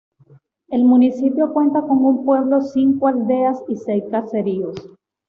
El municipio cuenta con un pueblo, cinco aldeas y seis caseríos.